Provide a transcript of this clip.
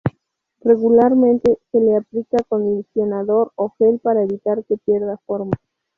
Regularmente se le aplica acondicionador o gel para evitar que pierda forma.